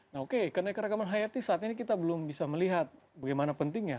nah oke kenaikan rekaman hayati saat ini kita belum bisa melihat bagaimana pentingnya